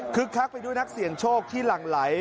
คักไปด้วยนักเสี่ยงโชคที่หลั่งไหล